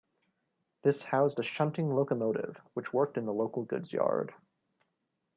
This housed a shunting locomotive which worked in the local goods yard.